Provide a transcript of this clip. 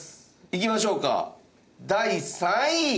いきましょうか第３位。